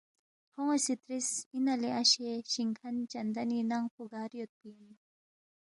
کھون٘ی سی ترِس، اِنا لہ اشے شِنگ کھن چندنی ننگ پو گار یودپی اِن؟